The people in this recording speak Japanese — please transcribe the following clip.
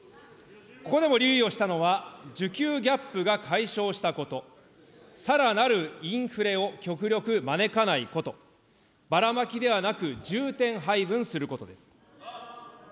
ここでもしたのは、需給ギャップが解消したこと、さらなるインフレを極力招かないこと、ばらまきではなく重点配分することです。